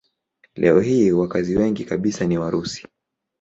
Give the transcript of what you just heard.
Leo hii wakazi wengi kabisa ni Warusi.